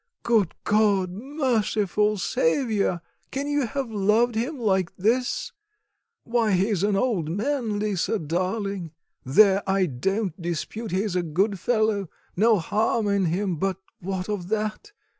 Good God! Merciful Saviour! can you have loved him like this? why, he's an old man, Lisa, darling. There, I don't dispute he's a good fellow, no harm in him; but what of that?